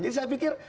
jadi saya pikir